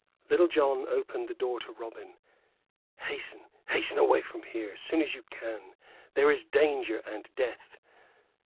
Little John opened the door to Robin. "Hasten hasten away from here, soon as you can. There is danger and death."